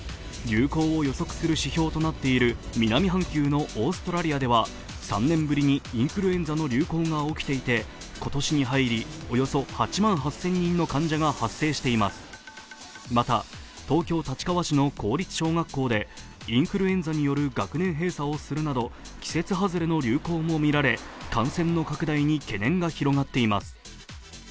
流行を予測する指標となっている南半球のオーストラリアでは３年ぶりにインフルエンザの流行が起きていて今年に入り、およそ８万８０００人の患者が発生していますまた、東京・立川市の公立小学校でインフルエンザによる学年閉鎖をするなど季節外れの流行もみられ感染の拡大に懸念が広がっています。